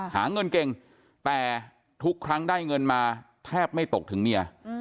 หาเงินเก่งแต่ทุกครั้งได้เงินมาแทบไม่ตกถึงเมีย